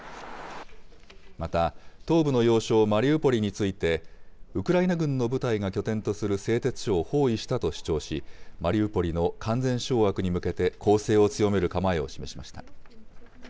また、東部の要衝マリウポリについて、ウクライナ軍の部隊が拠点とする製鉄所を包囲したと主張し、マリウポリの完全掌握に向けて、攻勢を強める構えを示しました。